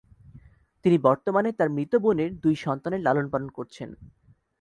তিনি বর্তমানে তার মৃত বোনের দুই সন্তানের লালনপালন করছেন।